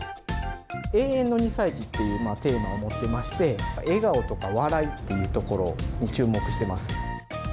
永遠の２歳児というテーマを持ってまして、笑顔とか笑いっていうところに注目してます。